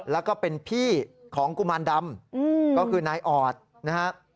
แล้วก็เป็นพี่ของกุมารดำก็คือนายออดนะฮะ